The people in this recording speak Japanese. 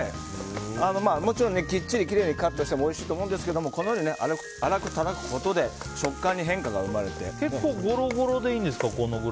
もちろんきっちりきれいにカットしてもおいしいと思うんですけど粗くたたくことで結構ゴロゴロでいいんですか。